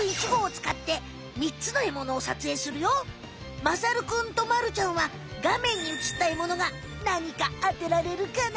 まがまさるくんとまるちゃんはがめんにうつったエモノがなにか当てられるかな？